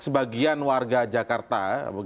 sebagian warga jakarta